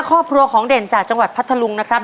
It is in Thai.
ครอบครัวของเด่นจากจังหวัดพัทธลุงนะครับ